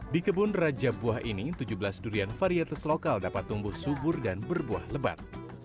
di kebun raja buah ini tujuh belas durian varietes lokal dapat tumbuh subur dan berbuah lebat